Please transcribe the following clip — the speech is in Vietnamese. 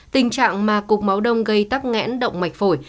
tình trạng mà cục máu đông gây tắc nghẽn động mạch phổi